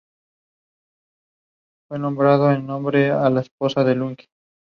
Rosella is Scientific Director of the Population Health Analytics Laboratory.